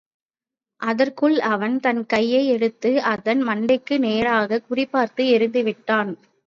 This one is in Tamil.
அதற்குள் அவன் தன் கதையை எடுத்து அதன் மண்டைக்கு நேராகக் குறிபார்த்து எறிந்துவிட்டான்.